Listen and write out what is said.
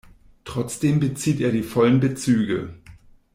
Trotzdem bezieht er die vollen Bezüge.